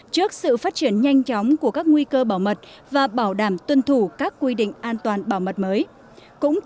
trước sự phát triển nhanh cho các ngân hàng